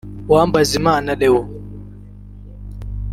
Uwambazimana Leon